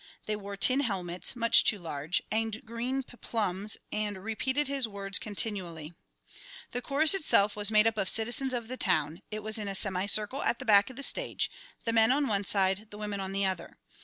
They wore tin helmets, much too large, and green peplums, and repeated his words continually. The chorus itself was made up of citizens of the town; it was in a semicircle at the back of the stage the men on one side, the women on the other.